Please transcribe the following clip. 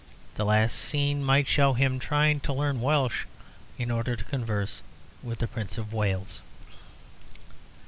The last scene might show him trying to learn Welsh in order to converse with the Prince of Wales.